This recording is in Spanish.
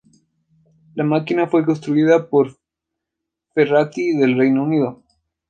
La máquina fue construida por Ferranti del Reino Unido.